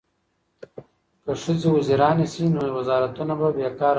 که ښځې وزیرانې شي نو وزارتونه به بې کاره نه وي.